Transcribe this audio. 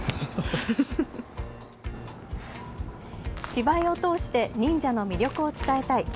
芝居を通して忍者の魅力を伝えたい。